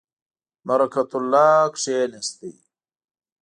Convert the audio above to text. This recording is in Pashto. برکت الله کښېنست.